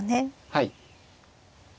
はい。